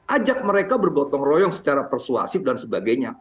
ajak mereka bergotong royong secara persuasif dan sebagainya